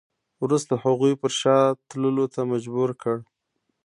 وروسته هغوی پر شا تللو ته مجبور کړ.